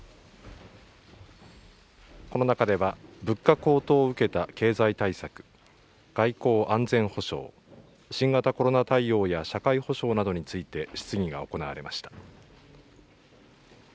この中では、物価高騰を受けた経済対策、外交・安全保障、新型コロナ対応や社会保障などについて質疑が行われました。